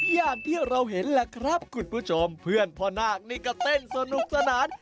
อย่างที่เราเห็นแหละครับคุณผู้ชมเพื่อนพ่อนาคนี่ก็เต้นสนุกสนาน